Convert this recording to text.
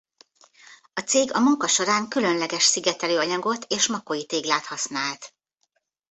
A cég a munka során különleges szigetelő anyagot és makói téglát használt.